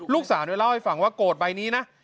ลูกสาวเล่าให้ฟังว่าโกรธใบนี้นะ